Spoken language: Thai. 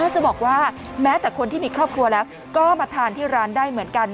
จะบอกว่าแม้แต่คนที่มีครอบครัวแล้วก็มาทานที่ร้านได้เหมือนกัน